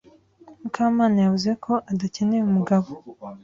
Mukamana yavuze ko adakeneye umugabo.